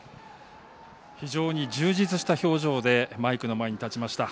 非常に充実した表情でマイクの前に立ちました。